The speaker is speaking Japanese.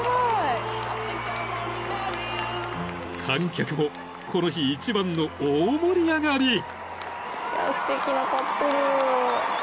［観客もこの日一番の大盛り上がり］